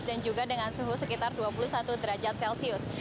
dan juga dengan suhu sekitar dua puluh satu derajat celcius